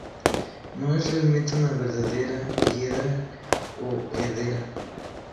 No es realmente una verdadera hiedra o "Hedera".